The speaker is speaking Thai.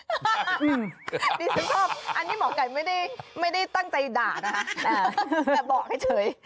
ดิฉันชอบอันนี้หมอไก่ไม่ได้ตั้งใจด่านะคะแต่บอกให้เฉย